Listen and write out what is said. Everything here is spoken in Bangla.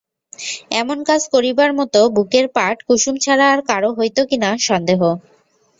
এমন কাজ করিবার মতো বুকের পাট কুসুম ছাড়া আর কারো হইত কি না সন্দেহ।